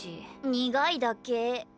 苦いだけ。